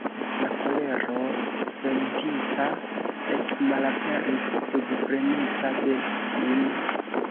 La kolero sentita ekmalaperis, subpremita de tim'.